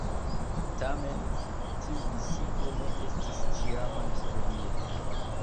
Tamen tiu disigo ne estis ĉiama historie.